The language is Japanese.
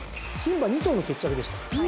牝馬２頭の決着でした。